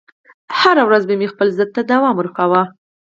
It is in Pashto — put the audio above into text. هره ورځ به مې خپل ضد ته دوام ورکاوه